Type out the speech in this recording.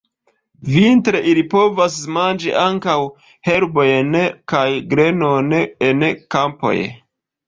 Vintre ili povas manĝi ankaŭ herbojn kaj grenon en kampoj.